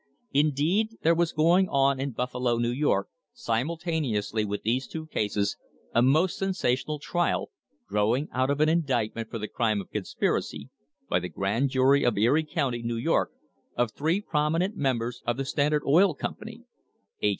Indeed, there was going on in Buffalo, New York, simultaneously with these two cases, a most sensational trial, growing out of an indictment for the crime of conspiracy, by the Grand Jury of Erie County, New York, of three prominent members of the Standard Oil Company H.